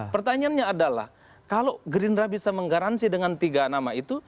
pertanyaannya adalah kalau gerindra bisa menggaransi dengan tiga nama itu